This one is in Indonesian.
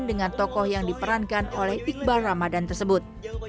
dengan tokoh yang diperankan oleh iqbal ramadan tersebut